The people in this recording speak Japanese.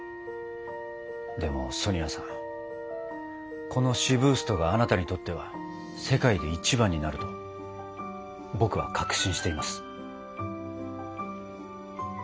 でもソニアさんこのシブーストがあなたにとっては世界で一番になると僕は確信しています。